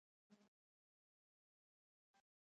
غریب ته هره نېکۍ شفاء ده